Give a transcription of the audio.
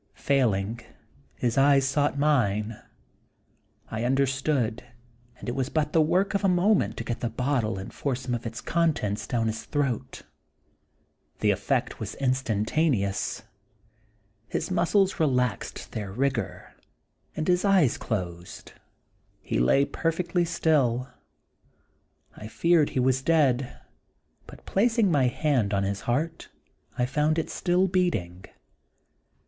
Failing, his eyes sought mine ; I understood, and it was but the work of a moment to get the bottle and force some of its contents down his throat. The effect was instantaneous ; his muscles relaxed their rigor, and his eyes closed ; 32 The Untold Sequel of he lay perfectly still. I feared he was dead, but placing my hand on his heart, I found it still beating.